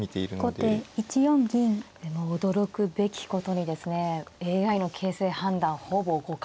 でも驚くべきことにですねＡＩの形勢判断ほぼ互角。